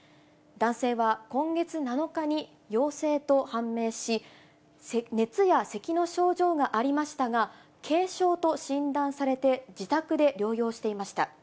男性は今月７日に陽性と判明し、熱やせきの症状がありましたが、軽症と診断されて自宅で療養していました。